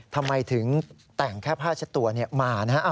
ทำไมถึงแต่งแค่ผ้าเช็ดตัวมานะฮะ